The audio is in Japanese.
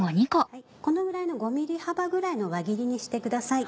このぐらいの５ｍｍ幅ぐらいの輪切りにしてください。